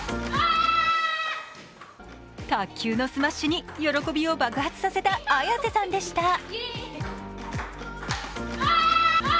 卓球のスマッシュに喜びを爆発させた綾瀬さんでした。